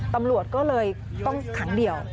ตำรวจก็เลยต้องขังเดียว